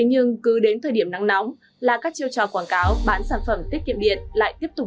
nhưng cứ đến thời điểm nắng nóng là các chiêu trò quảng cáo bán sản phẩm tiết kiệm điện lại tiếp tục